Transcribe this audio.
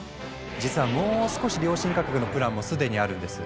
実はもう少し良心価格のプランも既にあるんです。